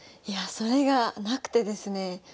いやそれがなくてですねえ。